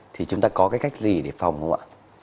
thì chúng ta có cái cách gì để phòng không ạ